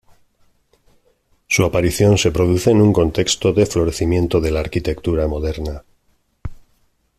Su aparición se produce en un contexto de florecimiento de la arquitectura moderna.